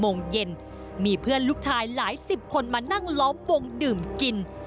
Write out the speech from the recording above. โมงเย็นมีเพื่อนลูกชายหลายสิบคนมานั่งล้อมวงดื่มกิน